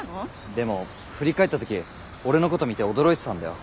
でも振り返った時俺のこと見て驚いてたんだよ。